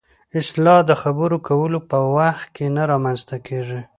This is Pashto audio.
اصطلاح د خبرو کولو په وخت کې نه رامنځته کېږي